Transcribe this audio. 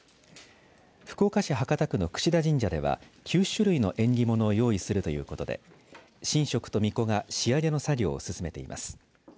福岡市博多区の櫛田神社では９種類の縁起物を用意するということで神職とみこが仕上げの作業を進めています。